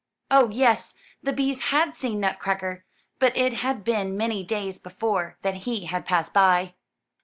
Oh, yes the bees had seen Nutcracker, but it had been many days before that he had passed by.